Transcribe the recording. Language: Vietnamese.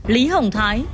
lý hồng thái